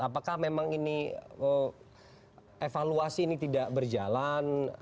apakah memang ini evaluasi ini tidak berjalan